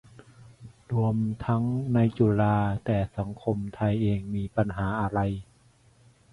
รวมทั้งในจุฬา แต่สังคมไทยเองมีปัญหาอะไร